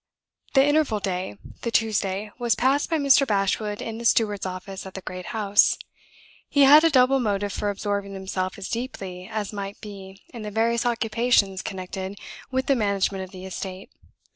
The interval day, the Tuesday, was passed by Mr. Bashwood in the steward's office at the great house. He had a double motive for absorbing himself as deeply as might be in the various occupations connected with the management of the estate.